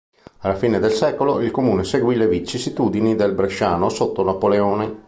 Alla fine del secolo, il comune seguì le vicissitudini del bresciano sotto Napoleone.